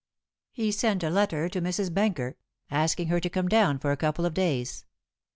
He sent a letter to Mrs. Benker, asking her to come down for a couple of days.